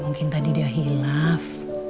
mungkin tadi dia hilaf